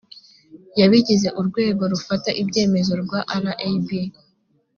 y abagize urwego rufata ibyemezo rwa rab